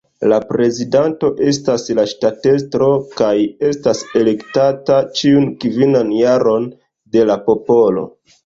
La prezidanto estas la ŝtatestro kaj estas elektata ĉiun kvinan jaron de la popolo.